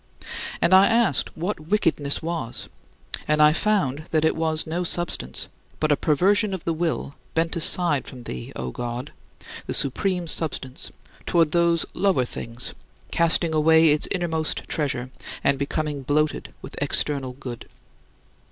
And I asked what wickedness was, and I found that it was no substance, but a perversion of the will bent aside from thee, O God, the supreme substance, toward these lower things, casting away its inmost treasure and becoming bloated with external good.